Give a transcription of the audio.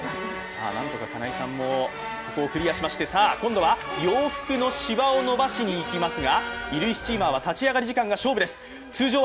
なんとか金井さんもここをクリアしまして、今度は洋服のしわを伸ばしに行きますが衣類スチーマーは立ち上がり時間が勝負です！